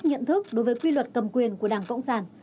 nhận thức đối với quy luật cầm quyền của đảng cộng sản